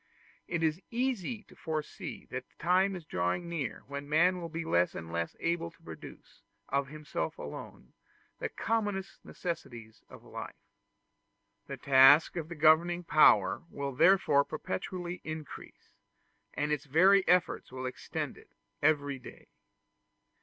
It is easy to foresee that the time is drawing near when man will be less and less able to produce, of himself alone, the commonest necessaries of life. The task of the governing power will therefore perpetually increase, and its very efforts will extend it every day.